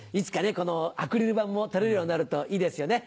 このアクリル板も取れるようになるといいですよね。